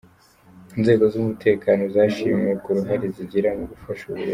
Inzego z'umutekano zashimiwe ku ruhare zigira mu gufasha uburezi .